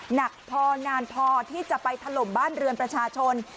หนักพอนานพอที่จะไปถล่มบ้านเรือนประชาชน